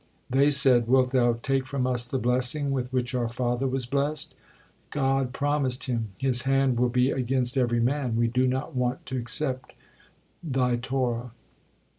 They said: "Wilt Thou take from us the blessing with which our father was blessed? God promised him: 'His hand will be against every man.' We do not want to accept the Thy Torah."